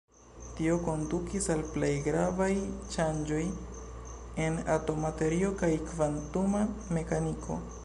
Tio kondukis al plej gravaj ŝanĝoj en atoma teorio kaj kvantuma mekaniko.